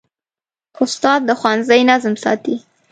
استاد د ښوونځي نظم ساتي.